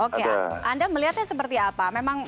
oke anda melihatnya seperti apa